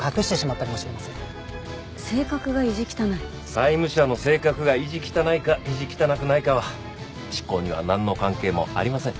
債務者の性格が意地汚いか意地汚くないかは執行にはなんの関係もありません。